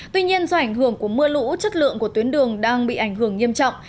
tuy nhiên do ảnh hưởng của mưa lũ chất lượng của tuyến đường đang bị ảnh hưởng nghiêm trọng